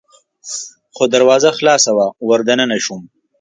خو دروازه خلاصه وه، ور دننه شوم.